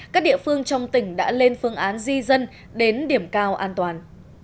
các địa phương trong tỉnh đã lên phương án di dân đến điểm cao an toàn